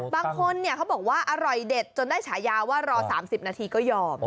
บางคนเขาบอกว่าอร่อยเด็ดจนได้ฉายาว่ารอ๓๐นาทีก็ยอม